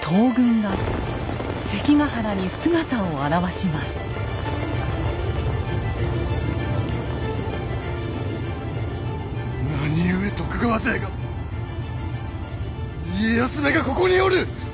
なにゆえ徳川勢が家康めがここにおる！